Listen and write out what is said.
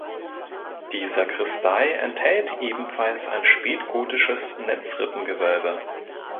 Die Sakristei enthält ebenfalls ein spätgotisches Netzrippengewölbe.